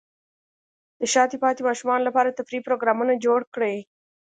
د شاته پاتې ماشومانو لپاره تفریحي پروګرامونه جوړ کړئ.